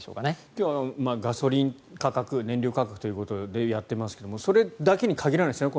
今日、ガソリン価格燃料価格ということでやっていますがそれだけに限らないですね。